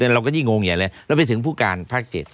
เราก็ยิ่งงงใหญ่เลยเราไปถึงผู้การภาค๗